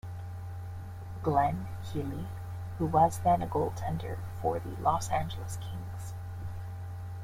Glenn Healy who was then a goaltender for the Los Angeles Kings.